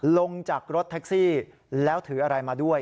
ลงจากรถแท็กซี่แล้วถืออะไรมาด้วย